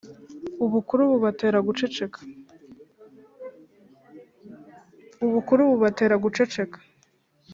Ubukuru bubatera guceceka,